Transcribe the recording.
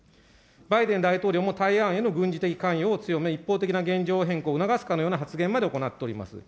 バイデン大統領も台湾への軍事的関与を強め、一方的な現状変更を促すかのような発言まで行っております。